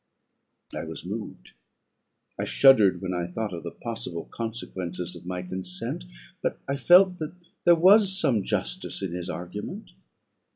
I was moved. I shuddered when I thought of the possible consequences of my consent; but I felt that there was some justice in his argument.